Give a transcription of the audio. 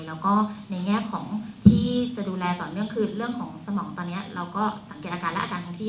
แล้วก็ในแง่ของที่จะดูแลต่อเนื่องคือเรื่องของสมองตอนนี้เราก็สังเกตอาการและอาการท้องที่